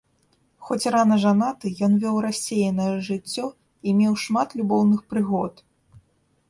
Хоць рана жанаты, ён вёў рассеянае жыццё і меў шмат любоўных прыгод.